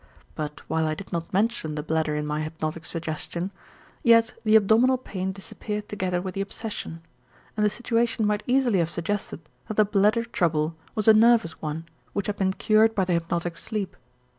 But while I did not mention the bladder in my hypnotic suggestion, yet the abdominal pain disappeared together with the obsession and the situation might easily have suggested that the bladder trouble was a nervous one which had been cured by the hypnotic sleep.